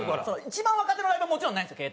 一番若手のライブはもちろんないんですよ